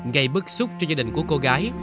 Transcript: gây bức xúc cho gia đình của cô gái